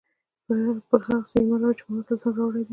پر هغه څه ایمان راوړی چې محمد ص راوړي دي.